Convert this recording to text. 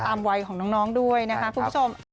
วัยของน้องด้วยนะคะคุณผู้ชม